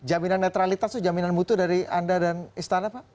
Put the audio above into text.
jaminan netralitas itu jaminan mutu dari anda dan istana pak